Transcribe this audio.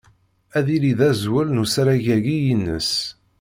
Ad yili d azwel n usarag-agi-ines.